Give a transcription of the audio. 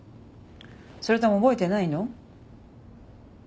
それとも覚えてないの？